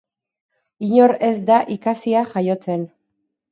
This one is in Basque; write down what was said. Inor ez da ikasia jaiotzen.